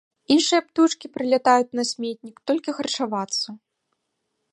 Іншыя птушкі прылятаюць на сметнік толькі харчавацца.